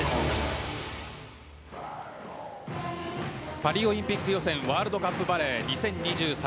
パリオリンピック予選ワールドカップバレー２０２３。